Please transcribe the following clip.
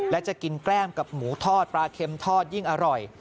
และจะกินแก้มกับหมูทอดปลาเค็มทอดยิ่งอร่อย